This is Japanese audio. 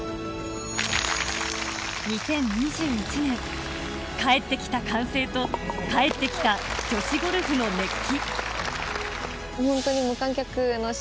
２０２１年、帰ってきた歓声と帰ってきた女子ゴルフの熱気。